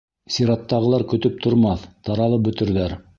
Сираттағылар көтөп тормаҫ, таралып бөтөрҙәр.